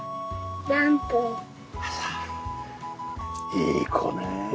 いい子ね。